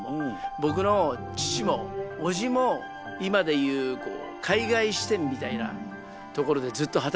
僕の父もおじも今で言う海外支店みたいなところでずっと働いていたんですよね。